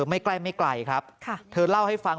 ไม่ไกลครับเธอเล่าให้ฟัง